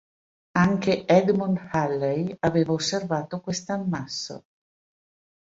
Anche Edmond Halley aveva osservato quest'ammasso.